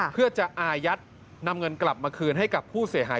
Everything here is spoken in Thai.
เพื่อจะอายัดนำเงินกลับมาคืนให้กับผู้เสียหาย